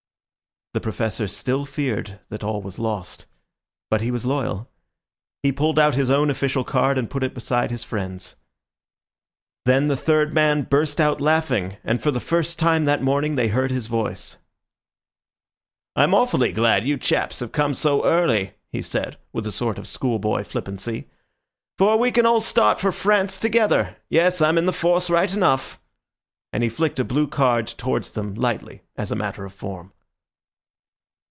The Professor still feared that all was lost; but he was loyal. He pulled out his own official card and put it beside his friend's. Then the third man burst out laughing, and for the first time that morning they heard his voice. "I'm awfully glad you chaps have come so early," he said, with a sort of schoolboy flippancy, "for we can all start for France together. Yes, I'm in the force right enough," and he flicked a blue card towards them lightly as a matter of form.